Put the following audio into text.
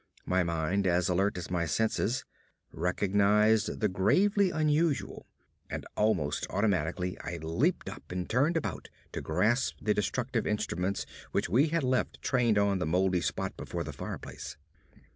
My mind, as alert as my senses, recognized the gravely unusual; and almost automatically I leaped up and turned about to grasp the destructive instruments which we had left trained on the moldy spot before the fireplace.